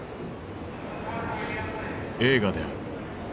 映画である。